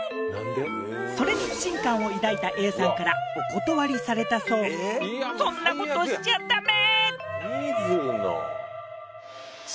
それに不信感を抱いたＡさんからお断りされたそうそんなことしちゃダメ！